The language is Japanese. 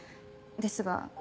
ですが